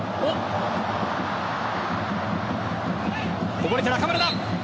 こぼれて中村だ。